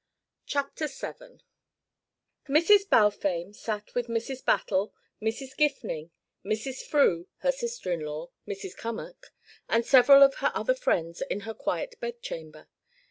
CHAPTER VII Mrs. Balfame sat with Mrs. Battle, Mrs. Gifning, Mrs. Frew, her sister in law, Mrs. Cummack, and several of her other friends in her quiet bed chamber.